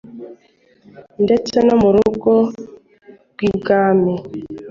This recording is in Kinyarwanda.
ndetse no mu rugo rw’ibwami,